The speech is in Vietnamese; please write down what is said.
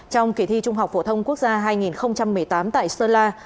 trong kỳ thi trung học phổ thông quốc gia hai nghìn một mươi tám tại sơn la